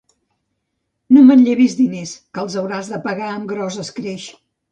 No manllevis diners, que els hauràs de pagar amb gros escreix.